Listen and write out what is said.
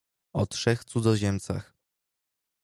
"O trzech cudzoziemcach."